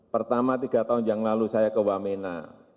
pertama tiga tahun yang lalu saya ke wamena